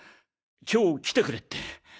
今日来てくれって。